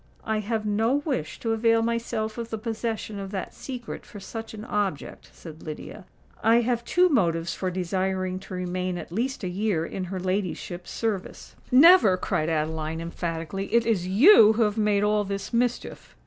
"I have no wish to avail myself of the possession of that secret for such an object," said Lydia. "I have two motives for desiring to remain at least a year in her ladyship's service." "Never!" cried Adeline, emphatically. "It is you who have made all this mischief!"